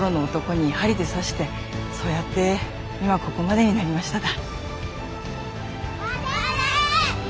そうやって今ここまでになりましただ。